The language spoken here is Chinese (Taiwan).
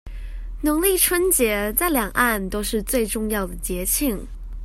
農曆春節在兩岸都是最重要的節慶